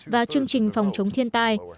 và chương trình phòng chống thiên tai